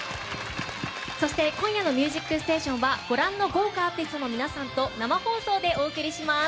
そして、今夜の「ミュージックステーション」はご覧の豪華アーティストの皆さんと生放送でお送りします。